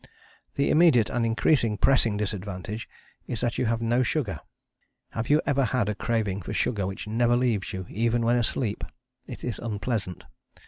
The immediate and increasingly pressing disadvantage is that you have no sugar. Have you ever had a craving for sugar which never leaves you, even when asleep? It is unpleasant.